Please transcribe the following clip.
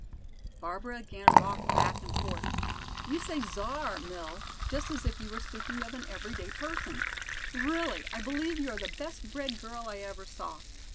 Barbara again rocked back and forth. "You say 'Czar,' Mill, just as if you were speaking of an everyday person. Really, I believe you are the best bred girl I ever saw.